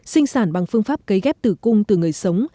sinh sản bằng phương pháp cấy ghép tử cung từ người sống